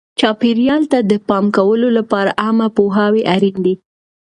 چاپیریال ته د پام کولو لپاره عامه پوهاوی اړین دی.